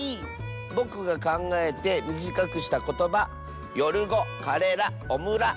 ぼくがかんがえてみじかくしたことば「よるご」「カレラ」「オムラ」。